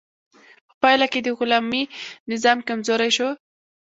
په پایله کې د غلامي نظام کمزوری شو.